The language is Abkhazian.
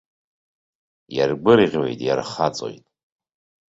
Иаргәырӷьоит, иархаҵоит.